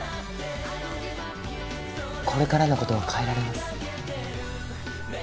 これからの事は変えられます。